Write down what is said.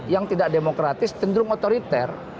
yang tidak demokratis cenderung otoriter